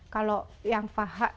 kalau yang faham